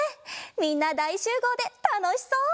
みんなだいしゅうごうでたのしそう！